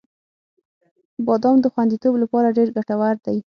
• بادام د خوندیتوب لپاره ډېر ګټور دی.